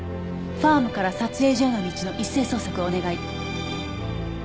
ファームから撮影所への道の一斉捜索をお願い。